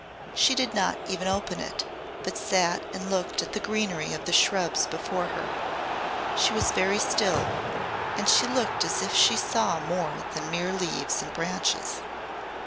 She did not even open it, but sat and looked at the greenery of the shrubs before her. She was very still, and she looked as if she saw more than mere leaves and branches.